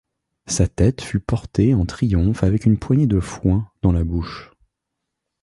Sa tête fut portée en triomphe avec une poignée de foin dans la bouche.